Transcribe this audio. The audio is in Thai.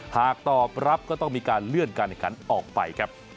ถ้าตอบรับก็ต้องมีการเลื่อนการการออกไปครับ